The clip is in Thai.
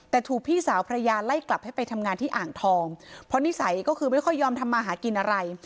แต่ถูกพี่สาวภรรยาไล่กลับให้ไปทำงานที่อ่างทองเพราะนิสัยก็คือไม่ค่อยยอมทำมาหากินอะไร